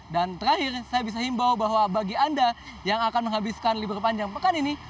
dan terakhir saya bisa himbau bahwa bagi anda yang akan menghabiskan libur panjang pekan ini